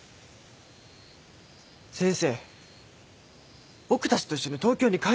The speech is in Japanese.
先生僕たちと一緒に東京に帰りましょう。